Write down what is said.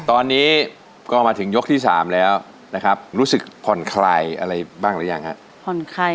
ตอนนี้ก็มาถึงยกที่๓แล้วนะครับรู้สึกผ่อนคลายอะไรบ้างหรือยังฮะ